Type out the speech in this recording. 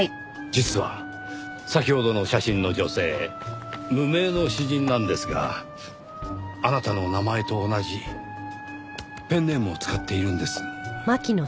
実は先ほどの写真の女性無名の詩人なんですがあなたの名前と同じペンネームを使っているんです。